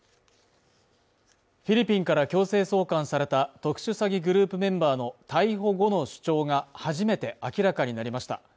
フィリピンから強制送還された特殊詐欺グループメンバーの逮捕後の主張が初めて明らかになりました。